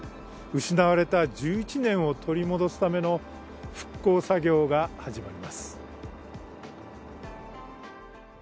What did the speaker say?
失われた１１年を取り戻すための復興作業が始まます。